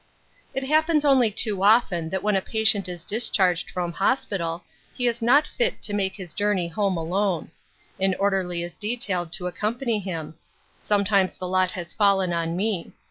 It happens only too often that when a patient is discharged from hospital he is not fit to make his journey home alone. An orderly is detailed to accompany him. Sometimes the lot has fallen on me.